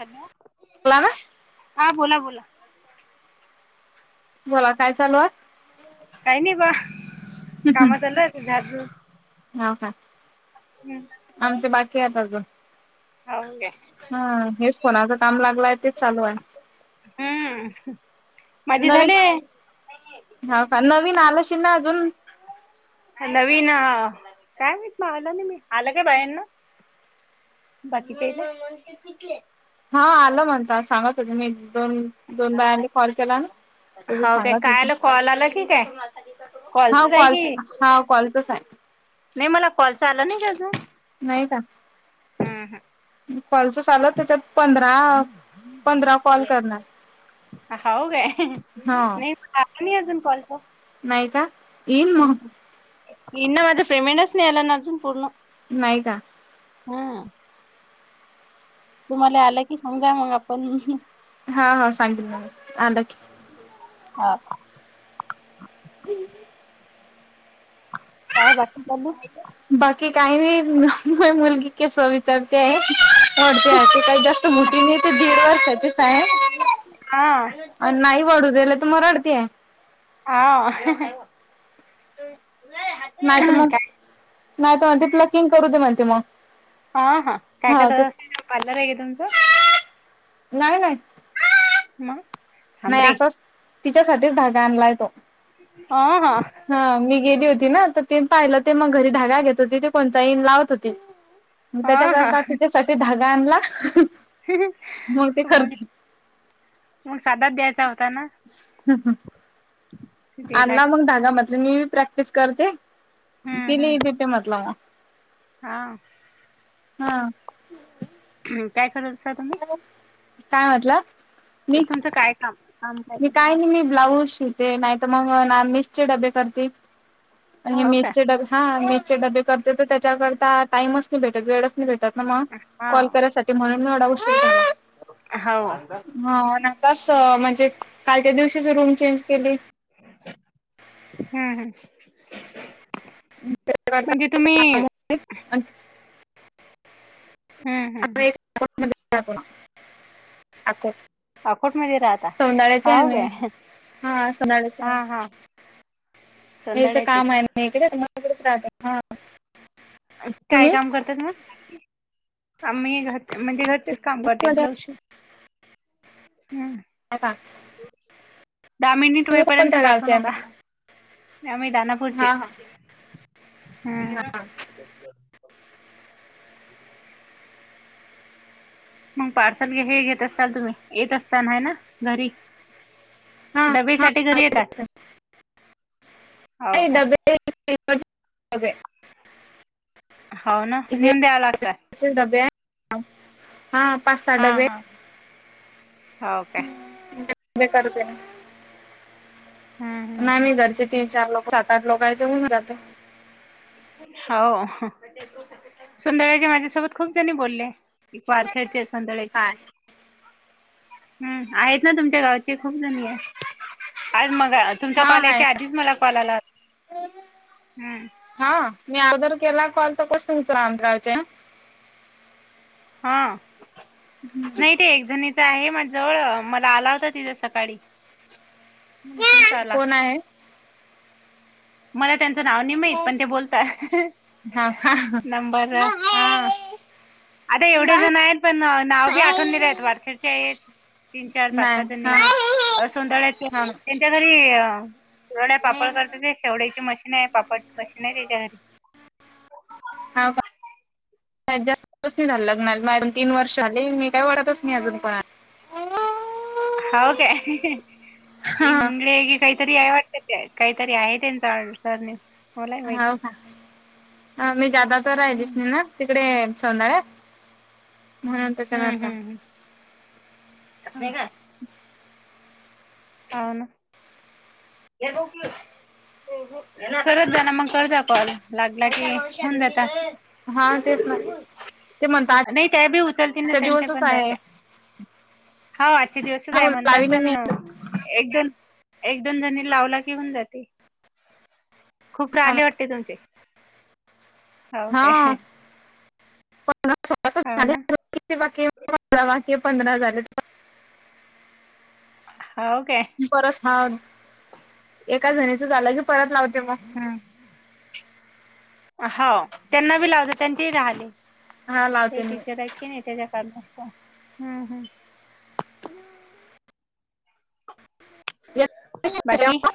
Hello बला ना हा बोला बोला. बोला काय चालू आहे? काही नाही बघा काम झालं आता झाडू ह्याव का? हम्म. आमचे बाकीय आता अजून. हो काय हा हेच फोनाच काम लागलंय, तेच चालू आहे. हम्म माझे नवीन झाले हा का? नवीन आलं नशील ना अजून? नवीन काय माहित मावला नाही मी, आलं काय बायांनो? बाकीचे हायती. हा आलं म्हणता सांगा तुम्ही मी दोन दोन बायांनी कॉल केला ना? तरी हो काय? सांगत काय होते आलं कॉल आला की काय? हा कॉलचच आहे की कॉलच, हा कॉलचच आहे. नाही मला कॉलच आलं नाही ग अजून. नाही हम्म हम्म काय कॉलच चालू त्याच्यात पंधरा. पंधरा कॉल करणार. हाव काय, हा नाही आला नाही अजून कॉल तर. नाही का? येईल म. येईल ना माझं पेमेंट अजून आलं नाही पूर्ण. नाही का? हम्म. तुम्हाले आलं की सांगा मग आपण हा हा सांगीन म्हणे आलं की. आ. [unintelligible] काय [unintelligible] बाकी काही [unintelligible] मुलगी केसवा विचारते आहे, ओढते आहे ते काही जास्त तो मोठी आहे ती दीड वर्षाचीच हाय. हा आणि नाही पडू दिले तर मग रडते. हाव. [unintelligible] नाही तर मग, नाही तर म्हणते प्लकिंग करू दे म्हणते मग. हां हां काय हा करत असता, पार्लर आहे का तुमचं? नाही नाही. मग. नाही थांबरे असाच तिच्यासाठीच धागा आणलाय तो. आं हा. हा मी गेली होती ना, तर ते पाहिलं ते मग घरी धागा घेत होती, ते कोणचा ईन लावत होतीत. मग हा हा त्याच्या [unintelligible] तिच्यासाठी धागा आणला. [unintelligible] ते मग करते मग साधाच द्यायचा होत दिला आणला की मग धागा म्हटलं मी बी प्रॅक्टिस करते. हम्म तिले दिते म्हंटलं. हाऊ. हा. काय करत असता तुम्ही? काय म्हटला? मी चं काय काम. मी काय नाही, मी ब्लाऊज शिवते. नाहीत मग नॉनव्हेजचे डबे करते. आणि हे हो का मेसेज डबे हा मेसेज डबे करते तर त्याच्याकरता टाइमच नाही भेटत, वेळच नाही भेटत. त्यातनं मग हा कॉल करायसाठी म्हणून एवढा उशीर झाला, हो हम्म हा हो ना तसं म्हणजे कालच्या दिवशीच रूम चेंज केली. हां हां. हं ते म्हणजे तुम्ही हम्म हम्म [unintelligible] अको, अकोट मध्ये राहता सौंदाळ्याचे आहे हो मी. काय हा असंणारच हा हाय, हा याच सोंदड्याचे काम आहे ना इकडे मग तिकडेच राहत. काय काम करतात मग? आम्ही घर म्हणजे घरचेच. काम करते ब्लाउज शिव, हं हं. या का. दहा मिनिट होईपर्यंत काठू गावचे आहे नका, म्हटलं [unintelligible] पुढची हा हा. हं. ह मग पार्सल हे घेत असाल तुम्ही, येत असताना आहे ना घरी. हा हा डबेसाठी घरी येतात. हो नाही काय डबे, [unintelligible] डबे आहे. हाव ना नेऊन द्याव लागता. असे डबे हाव, हा पाच सहा हा डबे हा हो काय. जे करते मी हम्म नाय हम्म मी दर्शित तीन चार लोकं [unintelligible] लोकयचे होऊन जातं. हाव. सोंदळ्याची माझ्यासोबत खूप जणी बोलले पारखेडचे, सोंदळ्याची. काय हम्म आहेत ना तुमच्या गावचे खूप जणी आहे आज मंगळा तुमचा हा कॉल आहे यायच्या आधीच, मला कॉल आला होता. हंम. हा मी अगोदर केला कॉल तर कसं तुमचा. [unintelligible] हा नाही ते एक जणी च्या म जवळ मला आला होता तिजा सकाळी मंग तुमचा आला. कोण आहे मला त्यांचं नाव नाही माहीत पण ते बोलताय. हा का नंबर हा. आता एवढे जण आहेत पण नाव बी आठवून नाही राहित वारकडचे आहेत. तीन चार पाच नाही सहा जनी हा अ सोंदळ्याचे. हा [inaudible] त्याच्या घरी कुरूड्या पापड करते ते शेवड्याची मशीन आहे पापड मशीन आहे त्याच्या घरी. हा व का? जास्त स नाही झालं लग्नाला तीन वर्ष झाले. मी काही वाढतच नाही. अजून कोणाला? [unintelligible] हाव काय हा इंगळे गी काहीतरी आहे वाटतं ते काहीतरी आहे त्यांचा सरनेम मला बी माहती नाही. आम्ही जादा तर राहिलीस हम्म नाही ना तिकडे सोंदळ्या म्हणून त्याच्यान आता नाही का. हाव. ना. [unintelligible] करत जा ना मंग करता कॉल लागला की होेऊन जाता. हा तेच ना ते म्हणतात नाही त्या बी उचलतील ना आजचा त्यांच्या दिवसच पण आहे राहिल्या. हाव आजचे दिवसच हा आहे म्हणतात लावी नाही पण एक-दोन, एक-दोन जणी लावला की होऊन जाते. खूप काहिले वाटते तुमचे हावू का? हा [unintelligible] हाव ना [unintelligible] हाव काय परत, हा एका जणीच झालं. की परत लावते मग, हां. हाव त्यांना बी लावते त्यांचे ही राहले हा ते लावते मी टीचर आहे की नाही त्याच्या त्याच्या कॉल लागतो हम्म हम्म. येते बाकी जेव्हा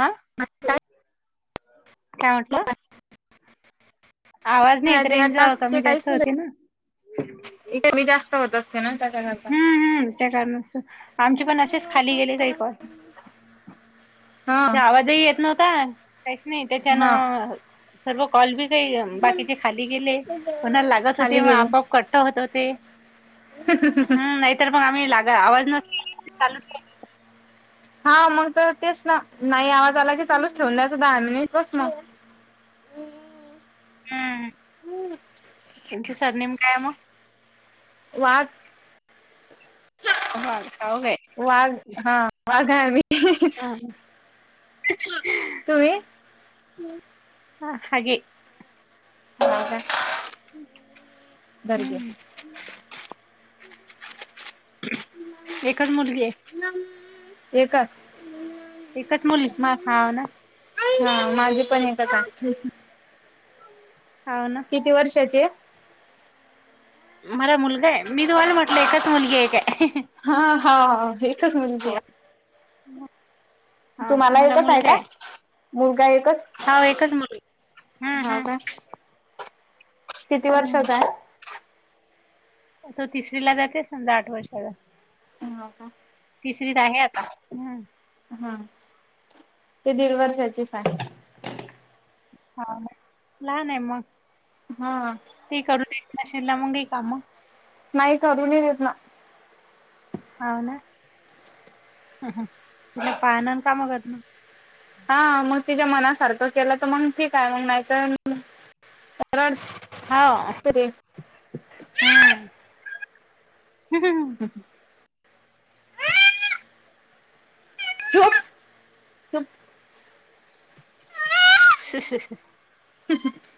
आं [unintelligible] काय म्हटलं? आवाज नाही येत राहते, ह्या रेंज वा टास्कचे कमी जास्त होते ना. कमी जास्त होत असते ना त्याच्याकरता. हम्म हम्म त्या कारणास आमचे पण असेच खाली गेले काही कॉल. हा ते आवाजही येत नव्हता. काहीच नाही हा त्याच्यानं. सर्व कॉल बी काही बाकीचे खाली गेले. कोणा लागत होती खाली मग आपोआप कट्ट होत होते. ह ह ह ह तर मग, आम्ही लागा. आवाज नसलं चालूच. [unintelligible] हा मंग तर तेच ना नाही आवाज आला की चालूच ठेवून द्यायचं दहा मिनिट बस म. हम्म त्याचं सरनेेम काय मग? वात [unintelligible] मग ठाऊक आहे वाघ हा वाघ आहे आम्ही. चल तुम्ही आ हा घे हाव का गरगे. हम्म एकच मुलगी आहे. एकच एकच मुल मा हाव ना. हा माझी पण एक [unintelligible] हाव ना. किती वर्षाची आहे? मला मुलगा आहे मी तुम्हाला म्हटलं एकाच मुलगी आहे काय. हा हा एकच मुलगी आहे. हा तुम्हाला मला एकच हाय मुलगा का आहे मुलगा एकच. हा एकच मुलगा हा हाव हा का किती हम्म वर्षचा आहे? तो तिसरी ला जाते समजा आठ वर्षाचा आहे. हो का? तिसरीत आहे आता हम्म. हा ते दीड वर्षाचीच हाय. हाव ना लहान आहे मग. हां. ते करू देत नशील ना मग काही कामं. नाई करू नी देत ना. हाव ना तिला पाहनं अन कामं करनं. हा मग तिच्या मनासारखं केला त मंग ठीक हाय मंग नाही तर रडते हा ते. हम्म. झोप [unintelligible] [inaudible]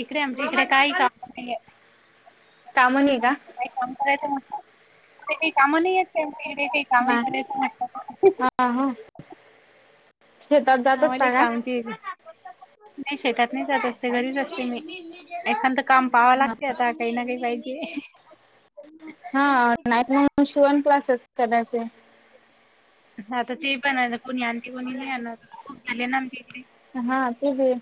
इकडे आमच्या इकडे काही काम नाहीये. कामं नी काही काम करायचं म्हटलं [unintelligible] कामं नाही आहेत. [unintelligible] हा म्हटलं हा शेतात जात असता का? ते ब नाही शेतात नाही जात असते घरीच असते मी. एखंद काम पाव हा लागते आता काही ना काही पाहिजे. हा नाहीत मंग शिवण क्लासेस करायचे. हा तर ते पण आहे आता कोणी आणतील कोणी नाय आणणार. [unintelligible] हा ते बी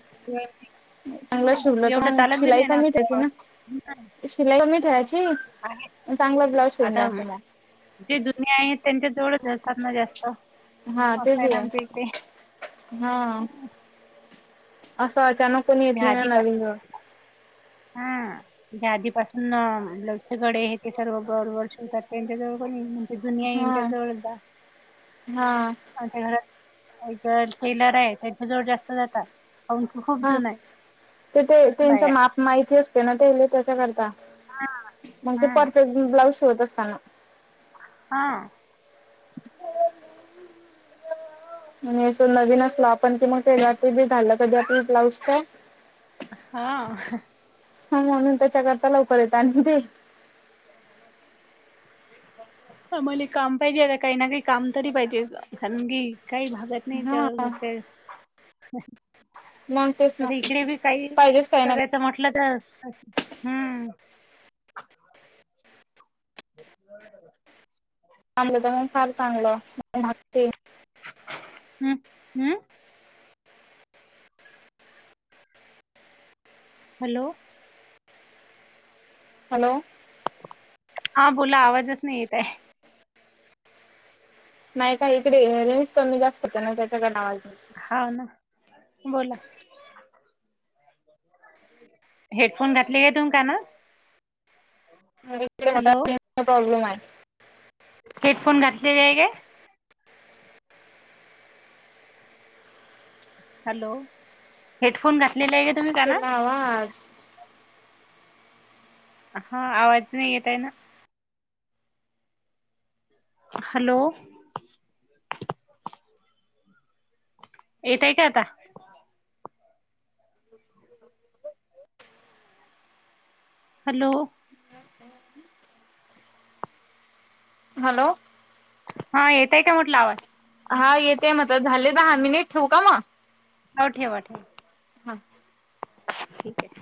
चांगलं शिवलं तर एवढं मंग चालत बी शिलाई नाही ना कमी आमच्या ठेवशीन ना. गावात शिलाई कमी ठेवायची आहे आणि चांगलं ब्लाऊज शिवून आता द्याच मग. जे जुने हायत त्यांच्या जवळच देतात ना जास्त. हा ते असं बी ना आहे आमच्या इकडे हा असं अचानक कोणी येत मी नाही ना आदी नवीन पासनं. जवळ [inaudible] [inaudible] ह्या आदीपासून ब्लाऊजचे गळे हे ते सर्व बरोबर शिवतात त्यांच्या जवळ पण हे हा हा. आमच्या घरा [unintelligible] टेलर हाय त्यांच्या जवळ जास्त जाता. हा ते ते त्यांच्या बाया माप माहिती असते ना ते त्याले कसं करता हा मग ते हा परफेक्ट ब ब्लाउज शिवत असता ना हा. मग अस नवीन असलं आपण की मग [unintelligible] घाललं कधी आपली ब्लाउज का हां. हा म्हणून त्याच्याकरता लवकर येता आणि ते आमाले काम पाहिजे. आता काही ना काही काम तरी पाहिजे. कारण की काही भागत नाही हा चल घरचे मग तेच ना. अर इकडे बी काही पाहिजेच काही ना कराय [unintelligible] म्हटलं तर असं हम्म. [unintelligible] चांगलं तर मग फार चांगलं [unintelligible] हम्म. अं? हॅलो. हॅलो. हा बोला आवाजच नाही येत आहे. नाही का इकडे रेंज कमी जास्त होते ना त्याच्याकडन आवाज नाही. हा ना बोला. हेडफोन घातले ना तु कानात? [unintelligible] हॅलो प्रॉब्लेम हाय. हेडफोन घातलेले आहे काय? हॅलो. हेडफोन घातलेले आहे का तुम्ही कानात? केला आवाज हा आवाज नाही येत आहे ना. हॅलो. येतय का आता? हॅलो. [inaudible] हॅलो. हा येतय का म्हटलं आवाज? हा येतेय मग आता झाले दहा मिनिट. ठेवू का मग? हो ठेवा ठेवा. हा. ठीक आहे.